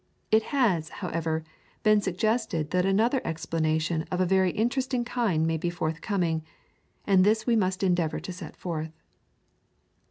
It has, however, been suggested that another explanation of a very interesting kind may be forthcoming, and this we must endeavour to set forth.